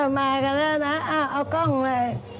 มากันแล้วนะ